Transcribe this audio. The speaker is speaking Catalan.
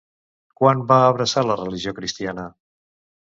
Quan va abraçar la religió cristiana?